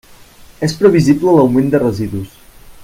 És previsible l'augment de residus.